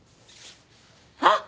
あっ！